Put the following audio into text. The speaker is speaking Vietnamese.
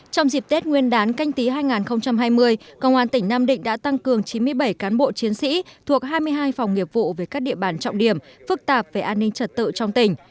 trong dịp tết nguyên đán canh tí hai nghìn hai mươi công an tỉnh nam định đã tăng cường chín mươi bảy cán bộ chiến sĩ thuộc hai mươi hai phòng nghiệp vụ về các địa bàn trọng điểm phức tạp về an ninh trật tự trong tỉnh